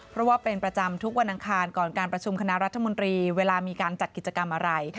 เพราะว่าเป็นประจำทุกวันอังคารก่อนการประชุมคณะรัฐมนตรีเวลามีการจัดกิจกรรมอะไร